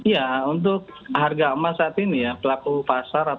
ya untuk harga emas saat ini ya pelaku pasar